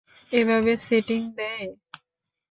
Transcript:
এভাবে সেটিং দেয়?